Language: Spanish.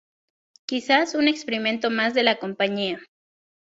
Quizás un experimento más de la compañía.